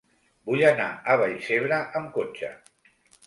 Vull anar a Vallcebre amb cotxe.